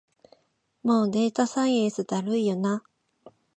もうデータサイエンスだるいよな